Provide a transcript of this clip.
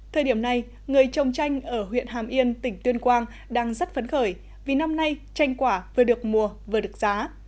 thời điểm này người trồng chanh ở huyện hàm yên tỉnh tuyên quang đang rất phấn khởi vì năm nay chanh quả vừa được mua vừa được giá